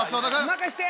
任せて。